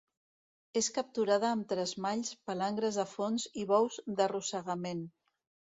És capturada amb tresmalls, palangres de fons i bous d'arrossegament.